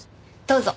どうぞ。